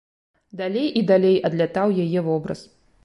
Далей і далей адлятаў яе вобраз.